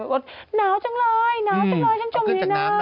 ว่าหนาวจังเลยหนาวจังเลยฉันจมในน้ำ